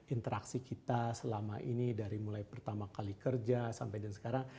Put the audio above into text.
interaksi kita selama ini dari mulai pertama kali kerja sampai dan sekarang